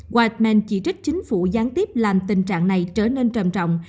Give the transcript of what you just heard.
white man chỉ trích chính phủ gián tiếp làm tình trạng này trở nên trầm trọng